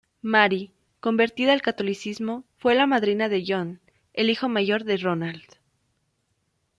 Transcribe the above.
Mary, convertida al catolicismo, fue la madrina de John, el hijo mayor de Ronald.